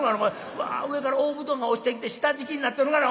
うわ上から大布団が落ちてきて下敷きになってるがな。